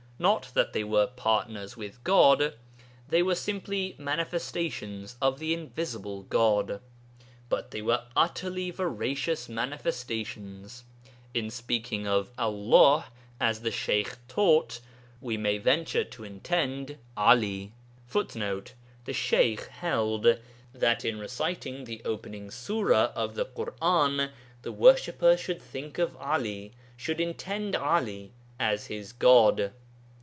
Not that they were 'partners' with God; they were simply manifestations of the Invisible God. But they were utterly veracious Manifestations; in speaking of Allah (as the Sheykh taught) wer may venture to intend 'Ali. [Footnote: The Sheykh held that in reciting the opening sura of the Ḳur'an the worshipper should think of 'Ali, should intend 'Ali, as his God.